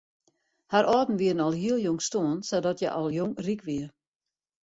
Har âlden wiene al hiel jong stoarn sadat hja al jong ryk wie.